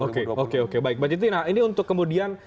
oke oke oke baik bacity nah ini untuk kemudian